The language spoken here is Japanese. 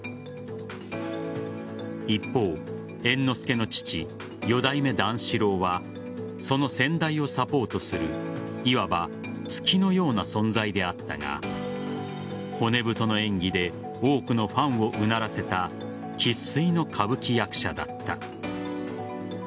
一方、猿之助の父四代目段四郎はその先代をサポートするいわば月のような存在であったが骨太の演技で多くのファンをうならせた生粋の歌舞伎役者だった。